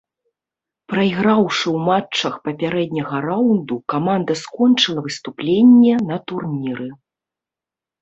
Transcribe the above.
Прайграўшы ў матчах папярэдняга раўнду каманда скончыла выступленне на турніры.